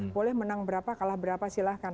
boleh menang berapa kalah berapa silahkan